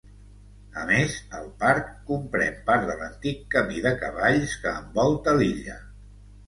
A més, el parc comprèn part de l'antic Camí de Cavalls que envolta l'illa.